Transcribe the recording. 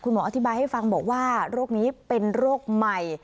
หมออธิบายให้ฟังบอกว่าโรคนี้เป็นโรคใหม่